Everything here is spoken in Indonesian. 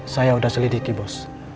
saya udah selidiki bos